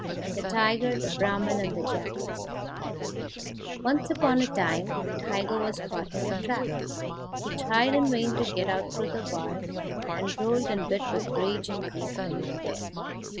The Tiger, the Brahman, and the Jackal Once upon a time, a tiger was caught in a trap. He tried in vain to get out through the bars, and rolled and bit with rage and grief when he failed.